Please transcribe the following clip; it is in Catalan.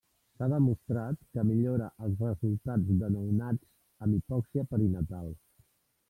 S’ha demostrat que millora els resultats de nounats amb hipòxia perinatal.